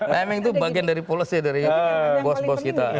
timing itu bagian dari polisi dari bos bos kita